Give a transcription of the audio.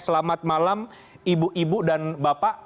selamat malam ibu ibu dan bapak